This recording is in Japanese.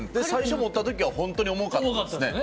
最初、持ったときは本当に重かったですね。